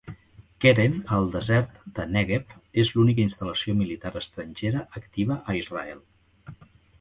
Keren al desert de Nègueb és l'única instal·lació militar estrangera activa a Israel.